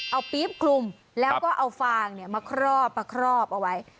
เอาปี๊บคลุมแล้วก็เอาฟางมาครอบมาครอบเอาไว้